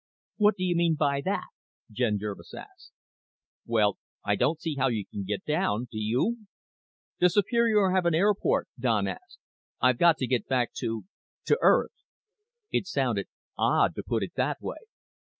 "What do you mean by that?" Jen Jervis asked. "Well, I don't see how you can get down. Do you?" "Does Superior have an airport?" Don asked. "I've got to get back to to Earth." It sounded odd to put it that way.